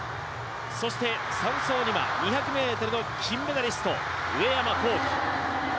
そして３走には２００ｍの金メダリスト上山紘輝。